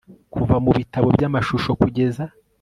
Kuva mubitabo byamashusho kugeza